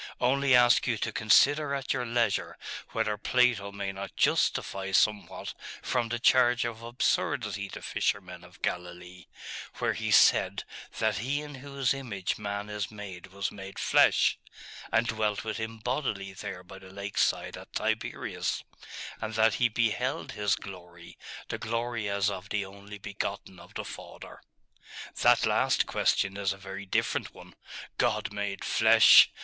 Only ask you to consider at your leisure whether Plato may not justify somewhat from the charge of absurdity the fisherman of Galilee, where he said that He in whose image man is made was made flesh, and dwelt with him bodily there by the lake side at Tiberias, and that he beheld His Glory, the glory as of the only begotten of the Father.' 'That last question is a very different one. God made flesh!